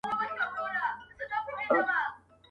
اچيل یې ژاړي، مړ یې پېزوان دی.